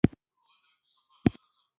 تر ما به لږ څه ټيټ و.